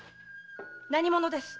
何者ですっ？